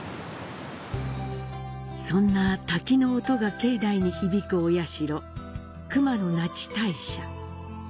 そんな滝の音が境内に響くお社、熊野那智大社。